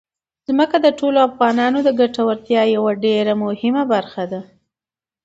ځمکه د ټولو افغانانو د ګټورتیا یوه ډېره مهمه برخه ده.